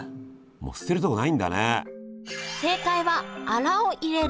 もう捨てるとこないんだね。